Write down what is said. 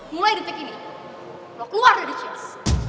mulai detik ini lo keluar dari chips